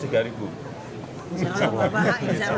insya allah pak pak insya allah